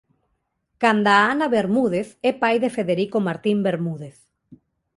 Canda a Ana Bermúdez é pai de Federico Martín Bermúdez.